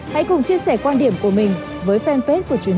hãy cùng chia sẻ quan điểm của mình với fanpage của truyền hình công an nhân dân